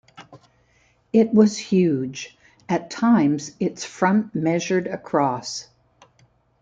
It was huge; at times its front measured across.